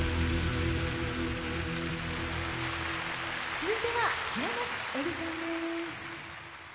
続いては、平松愛理さんです。